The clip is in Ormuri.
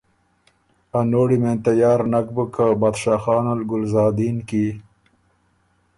ا نوړي مېن تیار نک بُک که بادشاه خان ال ګلزادین کی